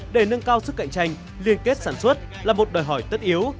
để nâng cao sức cạnh tranh liên kết sản xuất là một đòi hỏi tất yếu